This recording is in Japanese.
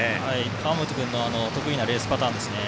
川元君の得意なレースパターンですね。